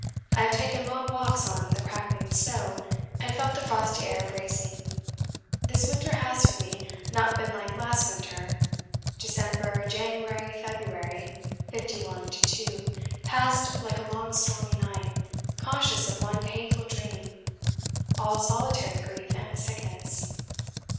I have taken long walks on the crackling snow, and felt the frosty air bracing. This winter has, for me, not been like last winter. December, January, February, '51 2, passed like a long stormy night, conscious of one painful dream) all solitary grief and sickness.